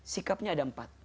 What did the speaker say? sikapnya ada empat